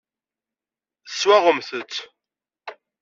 Teswaɣemt-t.